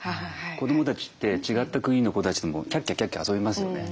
子どもたちって違った国の子たちともキャッキャキャッキャ遊びますよね。